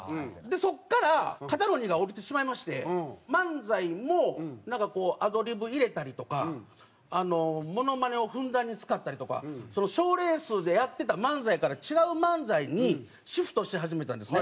そこから肩の荷が下りてしまいまして漫才もなんかこうアドリブ入れたりとかモノマネをふんだんに使ったりとか賞レースでやってた漫才から違う漫才にシフトし始めたんですね。